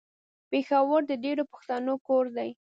پېښور د ډېرو پښتنو کور ده.